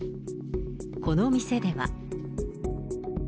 この店では。